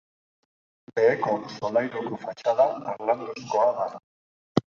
Beheko solairuko fatxada harlanduzkoa da.